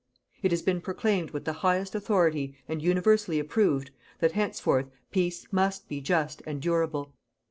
It has been proclaimed with the highest authority, and universally approved, that henceforth PEACE MUST BE JUST AND DURABLE.